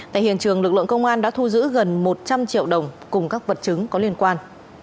tại hiện trường lực lượng công an đã thu giữ gần một trăm linh triệu đồng cùng các vật chứng có liên quan